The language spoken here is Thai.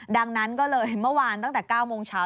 ดังนั้นก็เลยเมื่อวานตั้งแต่๙โมงเช้า